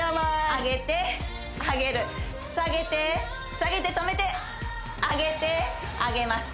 上げて上げる下げて下げて止めて上げて上げます